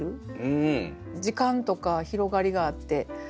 時間とか広がりがあって。